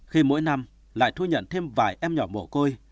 khi mỗi năm lại thu nhận thêm vài em nhỏ mổ côi